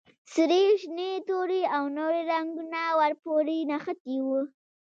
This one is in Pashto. سرې، شنې، تورې او نورې رنګونه ور پورې نښتي وو.